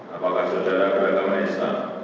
apakah saudara beragama islam